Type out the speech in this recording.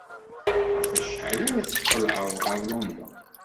Ɣef wacḥal ara tqelɛed ɣer London?